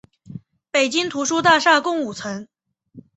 北京图书大厦共五层。